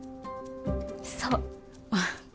そう。